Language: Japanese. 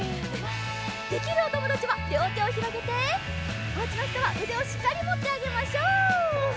できるおともだちはりょうてをひろげておうちのひとはうでをしっかりもってあげましょう！